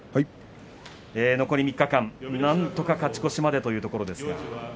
残り３日間、なんとか勝ち越しまでというところですが。